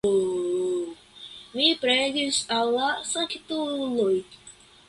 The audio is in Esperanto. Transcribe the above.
Mi preĝis al la sanktuloj.